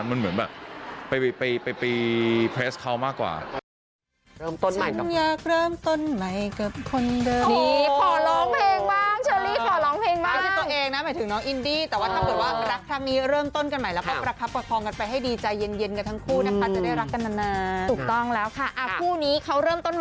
มันเหมือนแบบไปเพลสเขามากกว่า